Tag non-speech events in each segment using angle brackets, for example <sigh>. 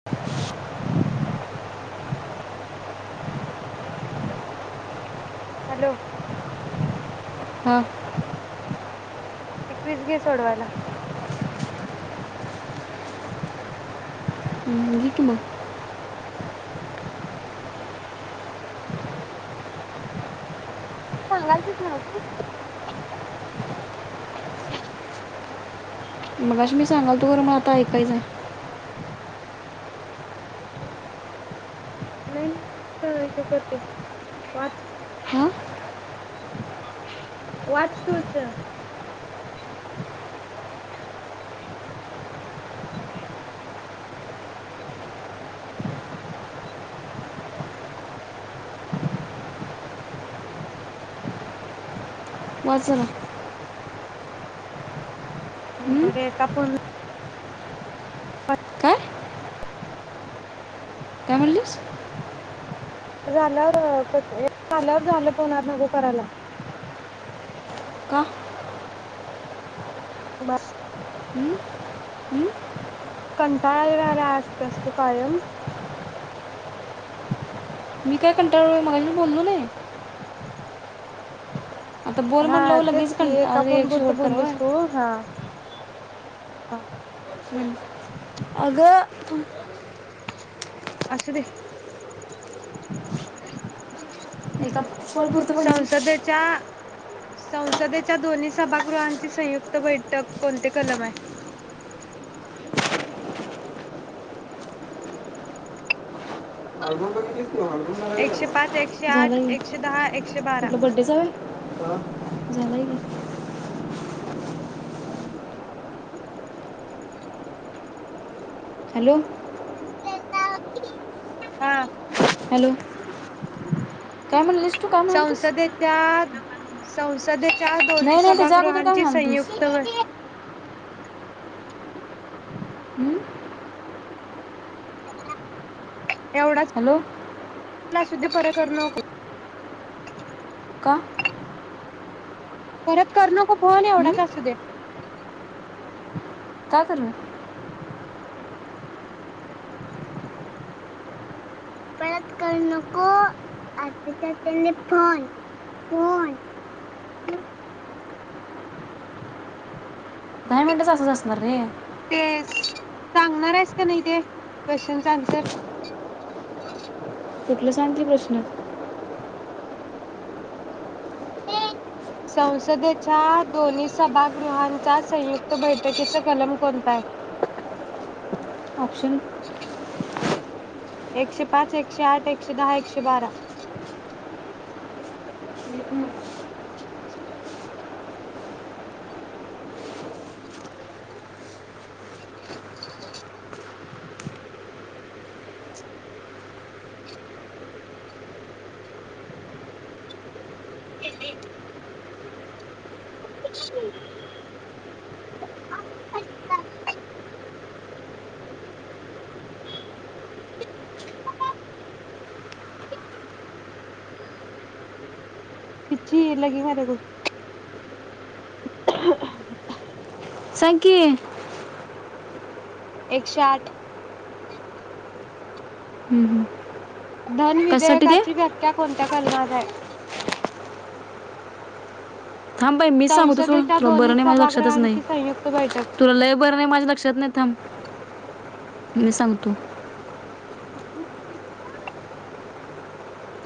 <inaudible> Hello. हां तिक्विस घे सोडवायला. हम् जिक ना सांगाल तेच नाव तू मगाशी मी सांगल तुर मण, आता ऐकायच आहे. <inaudible> नाही हे करते वा हां वाचतूच वजल. हं? बर एका फोन काय काय म्हणलीस? झाल्यावर क एक झाल्यावर, झालं फोन आज नको करायला. का बस. हम्म. कंटाळलेली असतेस तू कायम. मी काय कंटाळोय मगाशी बोललो नाही. आता बोल हा म्हणल्यावर तेच लगेच की एका फोन पुरत बोललीस तू. हा. हा हम्. अगं तु- असू दे. एका फळ पुरतं म्हणजे संसदेच्या संसदेच्या दोन्ही सभागृहांची संयुक्त बैठक, कोणते कलम आहे? <inaudible> आलबम बगितलीस भावा तू. बघायला एकशे पाच एकशे गेला आठ, एकशे दहा एकशे बारा. झालंय काय? हॅलो. हा. हॅलो. हम‌् हम‌्. काय म्हनलीस तू काय म्हणालतीस. संसदेच्या दोन्ही नाही नाही त्याच्या अगोदर काय सभागृहांची म्हणालतीस संयुक्त ब‌् हुं. एवढा हॅलो. काय आसुधी? पर करू नको. का? परत करू नको फोन हं? एवढंच असू दे. काय करनार? परत करू नको आ त्यांनी फोन फोन. नाही म्हंटलस, असंच असणार रे. ते सांगणार हायीस काय नाही ते क्वेशनच अनसर? कुठल सांग की प्रश्न? ऐ. <unintelligible> संसदेच्या दोन्ही सभागृहांचा संयुक्त बैठकीच कलम कोणत हाय? <inaudible> ऑप्शन. एकशे पाच, एकशे आठ, एकशे दहा, एकशे बारा. <inaudible> <inaudible> <inaudible> मी केले. करतेच तू. आ अनतन. <unintelligible> <unintelligible> सांग की? एकशे आठ. हुं. धन विधेयकाची व्याख्या कोणत्या कलमात हाय? थांब बाई मीच सांगू तो सोड, संसदेच्या तुला बर दोन्ही नाही माझ्या लक्षातच नाही. सभागृहांची संयुक्त बैठक तुला लय बर नाही माझ्या लक्षात नाही. थांब मी सांगतो. ह <unintelligible>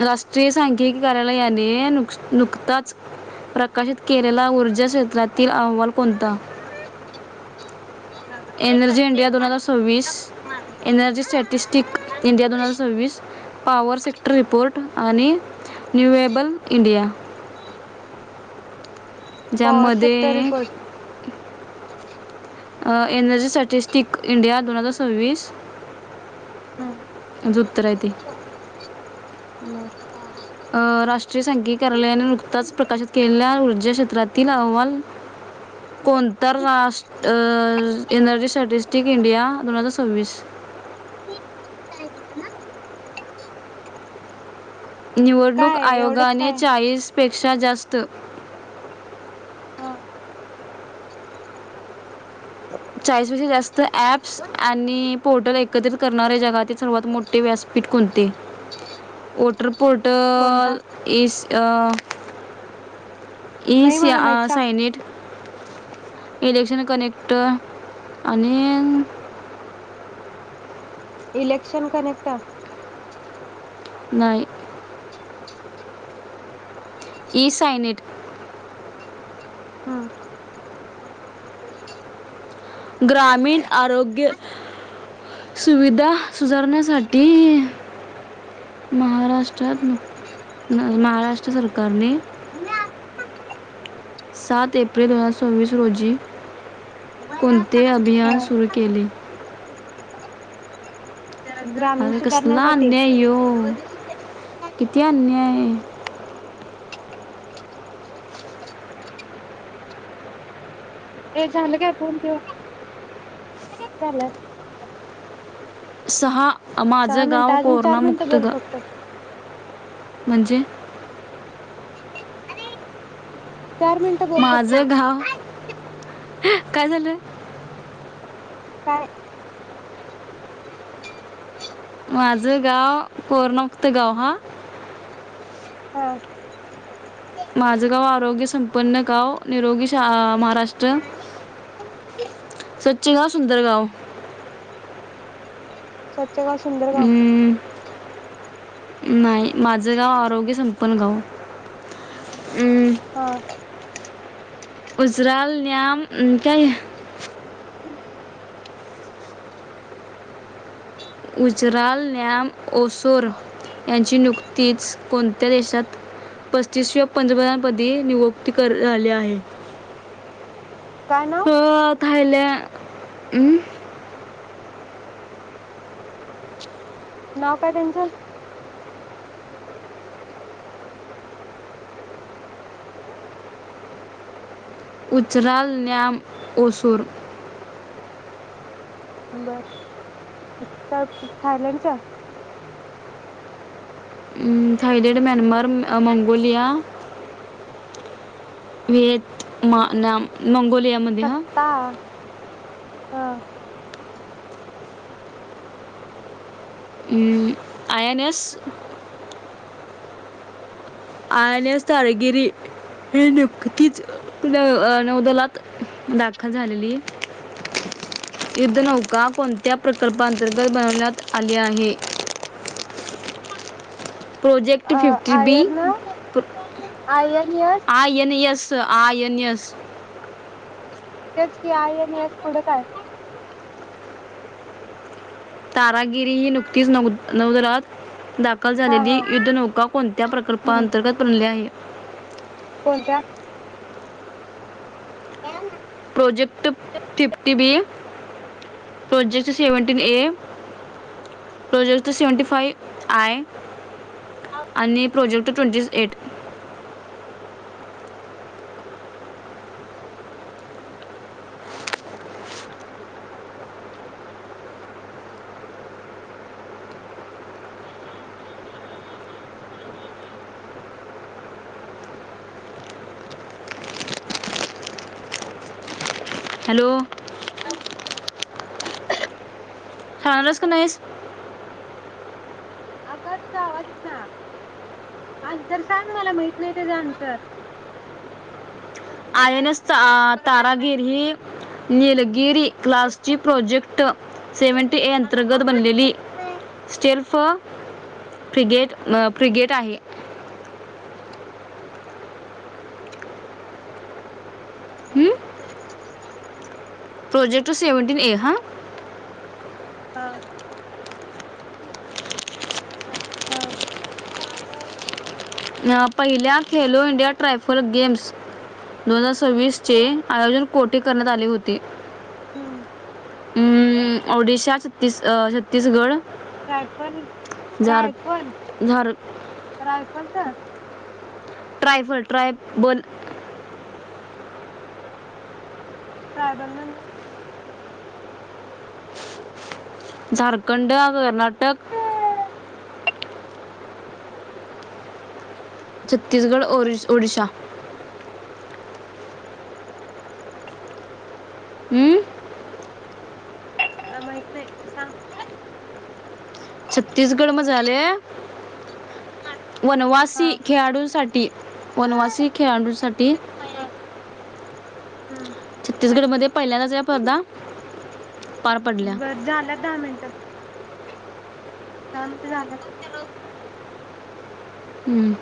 राष्ट्रीय सांखिकी कार्यालयाने नुक नुकताच प्र काशित केलेला ऊर्जा क्षेत्रातील अहवाल कोणता? <inaudible> एनर्जी इंडिया दोन हजार सव्वीस, एनर्जी स्टॅटिस्टिक इंडिया दोन हजार सव्वीस पॉवर सेक्टर रिपोर्ट आणि न्युएबल इंडिया. पॉवर ज्यामध्ये sector uh. Report uh energy statistic India दोन हजार सव्वीस याचं उत्तर आहे ते ह बर. अ राष्ट्रीय सांघीक कार्यालयाने नुकताच प्रकाशित केलेल्या ऊर्जा क्षेत्रातील अहवाल कोणतर राष्ट अ एनर्जी स्टॅटिस्टिक इंडिया दोन हजार सव्वीस. हाय ना? निवडणूक काय एवढंच आयोगाने काय चाळीसपेक्षा जास्त आं. चाळीसपेक्षा जास्त ऍप्स आणि पोर्टल एकत्रित करणारे जगातील सर्वात मोठे व्यासपीठ कोणते? वॉटर कोणता पोर्टल एस अ नाही इस या मला माहित अ सांग सायनेट इलेक्ट्रन कनेक्ट आणि इलेक्शन कनेक्ट नाही ई सायनेट हम्म. ग्रामीण आरोग्य सुविधा सुधारण्यासाठी महाराष्ट्रात न महाराष्ट्र सरकारने <unintelligible> सात एप्रिल <unintelligible> सव्वविंस रोजी कोणते अभियान सुरू केले? <unintelligible> ग्रामीण अरे कसला सुधाराणयासाठी अन्याय यो किती अन्याय आहे. हे झालं काय फोन ठेव झाला. सहा सहा माझं मिनिटं गाव अजून चार मिनिटं कोरोनामुक्त बोल ग फक्त म्हणजे चार मिन माझं गाव काय झालं? काय माझं गाव कोरना मुक्त गाव हा. हां. माझं गाव आरोग्य संपन्न गाव निरोगी शा महाराष्ट्र स्वच्छ गाव सुंदर गाव. स्वच्छ गाँव सुंदर गाँव. अं, नाही माझं गाव आरोग्य संपन्न गाव. अं, हां. उजराल न्याम काय <unintelligible> उजराल न्याम ओसोर यांची नियुक्तीच कोणत्या देशात पस्तीसव्या पंदव्यापदी नियुक्ती करू झाले आहे. काय नाव अ थाईल्या उम्म. नाव काय त्यांचं? उचराल न्याम ओसोर बरं <unintelligible> थायलंडच्या. उम्म Thailand, Myanmar, Mongolia Vietnam, Mongolia कत्ता हा. उम्म आय एन एस आणि स्थाळगिरी हे नियुक्तीच न अ नौदोलात दाखल झालेली. युद्धनौका कोणत्या प्रकल्पा अंतर्गत बनवण्यात आली आहे? प्रोजेक्ट हा फिफ्टी बी आयर ना प्र ion yes I N S I N S तेच की आय एन एस पुढं काय तारागिरी ही नुकतीच नव नवदरात दाख खल हा हा झालेली युद्धनौका कोणत्या हम्म प्रकल्पाअंतर्गत बनली आहे. कोणत्या? काय म project fifty B project seventeen A project seventy five I आणि प्रोजेक्ट ट्वेंटी एट हॅलो <unintelligible> खाणारयेस का नाहीस अग तुझा आवाज येई ना अन्सर सांग मला माहित नाय त्याज अन्सर आय एन एस त अ तारागिर ही निलगिरी क्लासची प्रोजेक्ट सेव्हनटी ए अंतर्गत बनलेली स्टेल्फ फ्रीगेट फ्रीगेट आहे. हम्म? <inaudible> प्रोजेक्ट सेवनटीन ए हा हा <unintelligible> <unintelligible> पहिल्या खेलो इंडिया ट्रायफल गेम्स दोन हजार सव्वीसचे आयोजन कोठे करण्यात आले होते. हम्म हम्म ओडिशा छत्तीस अ छत्तीसगड रायफनी झार रायफल झार रायफलचा ट्रायफल ट्रायबल <inaudible> ट्रायबल म्हणजे? झारखंड, कर्नाटक छत्तीसगड ओरिस ओडिसा बघ की <unintelligible> हूं काय माहीत नाय ते सांग छत्तीसगड म झाले वनवासी हा खेळाडूंसाठी वनवासी खेळाडूंसाठी हम्म ते हायच छत्तीसगडमध्ये की नी पहिल्यांदाच या स्पर्धा पार पडल्या बर झाला दहा मिनटं. दहा मिनिटं झालंत. हम्म